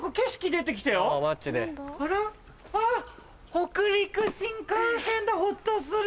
北陸新幹線だホッとする。